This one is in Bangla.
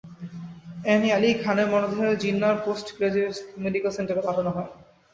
অ্যানি আলী খানের মরদেহ জিন্নাহ পোস্ট গ্র্যাজুয়েট মেডিকেল সেন্টারে পাঠানো হয়।